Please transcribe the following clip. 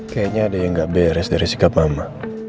kayaknya ada yang gak beres dari sikap mama